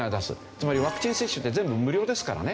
つまりワクチン接種って全部無料ですからね。